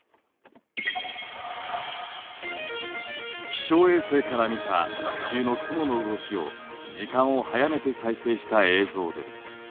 気象衛星から見た地球の雲の動きを時間を早めて再生した映像です。